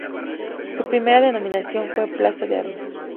Su primera denominación fue "plaza de Armas".